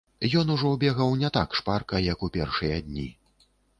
Ён ужо бегаў не так шпарка, як у першыя дні.